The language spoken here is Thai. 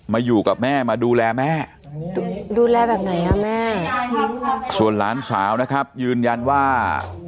มาอยู่กับแม่มาดูแลแม่ดูแลแบบไหนอ่ะแม่ส่วนหลานสาวนะครับยืนยันว่า